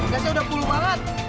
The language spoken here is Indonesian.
gasnya udah puluh banget